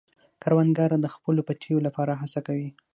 کروندګر د خپلو پټیو لپاره هڅه کوي